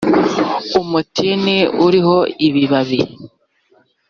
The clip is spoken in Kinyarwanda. umutini uriho ibibabi .